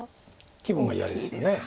気分が嫌ですよね。